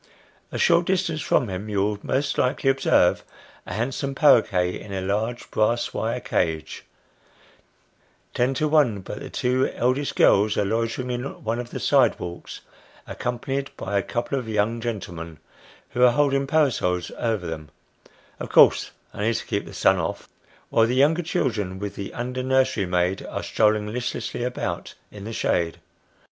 A short distance from him you will most likely observe a handsome paroquet in a large brass wire cage ; ten to one but the two eldest girls are loitering in one of the side walks accompanied by a couple of young gentlemen, who are holding parasols over them of course only to keep the sun off while the younger children, with the under nursery maid, are strolling listlessly about, in the shade.